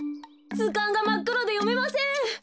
ずかんがまっくろでよめません。